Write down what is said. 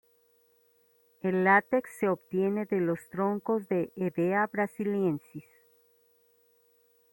El látex se obtiene de los troncos de "Hevea brasiliensis".